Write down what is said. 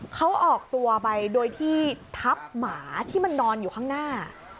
เขาออกตัวไปโดยที่ทับหมาที่มันนอนอยู่ข้างหน้า